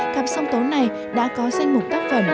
cặp song tấu này đã có danh mục tác phẩm